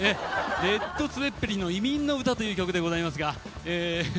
レッド・ツェッペリンの「移民の歌」という曲でございますが。